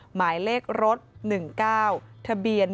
หมายเลขรถ๑๙๑๔๑๗๗๔